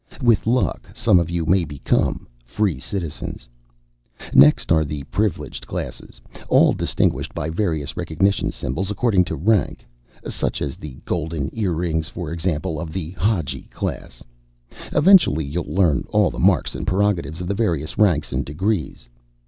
With luck, some of you may become Free Citizens. "Next are the Privileged Classes, all distinguished by various recognition symbols according to rank such as the golden earrings, for example, of the Hadji class. Eventually you'll learn all the marks and prerogatives of the various ranks and degrees.